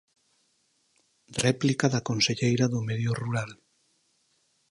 Réplica da conselleira do Medio Rural.